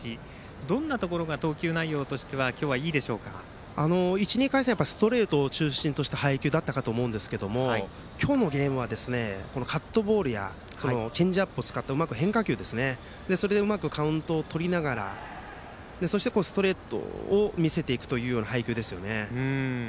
失点わずか１、どんなところが投球内容としては１、２回戦はストレートを中心とした配球だったかと思うんですけど今日のゲームはカットボールやチェンジアップを使って変化球でうまくカウントをとりながらそしてストレートを見せていくというような配球ですよね。